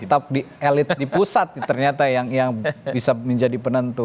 tetap di elit di pusat ternyata yang bisa menjadi penentu